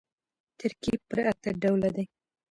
ترکیب پر اته ډوله دئ.